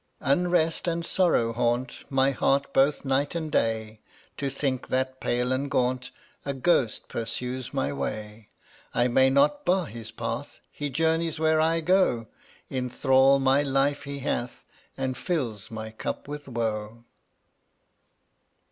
in Unrest and sorrow haunt My heart both night and day To think that pale and gaunt A Ghost pursues my way. I may not bar his path, He journeys where I go; In thrall my life he hath And fills my cup with woe.